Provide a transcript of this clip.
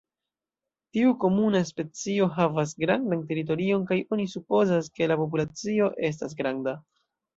Tiu komuna specio havas grandan teritorion kaj oni supozas, ke la populacio estas granda.